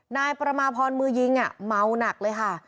นายประมาพรมือยิงเมาหนักเลยค่ะ